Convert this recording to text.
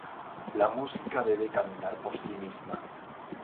La música debe caminar por sí misma.